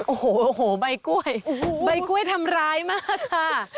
โอ้โหใบกล้วยใบกล้วยทำร้ายมากค่ะ